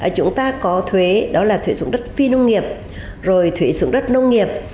chúng ta có thuế đó là thuế sử dụng đất phi nông nghiệp rồi thuế sử dụng đất nông nghiệp